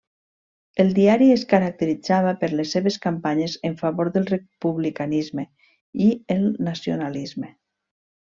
El diari es caracteritzava per les seves campanyes en favor del republicanisme i el nacionalisme.